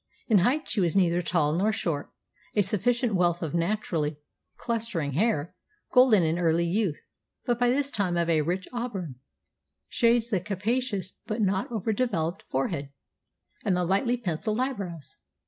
In height she was neither tall nor short. A sufficient wealth of naturally clustering hair, golden in early youth, but by this time of a rich auburn, shades the capacious but not over developed forehead, and the lightly pencilled eyebrows.